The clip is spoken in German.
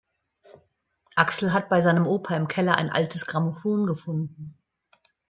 Axel hat bei seinem Opa im Keller ein altes Grammophon gefunden.